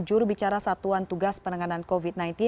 jurubicara satuan tugas penanganan covid sembilan belas